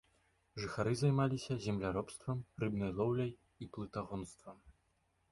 Жыхары займаліся земляробствам, рыбнай лоўляй і плытагонствам.